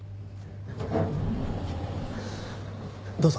どうぞ。